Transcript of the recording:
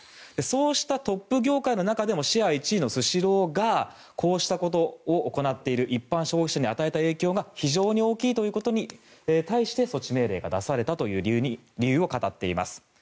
そうしたトップ業界の中でもシェア１位のスシローがこうしたことを行っている一般消費者に与えた影響が非常に大きいということに対して措置命令が出されたという理由を語っています。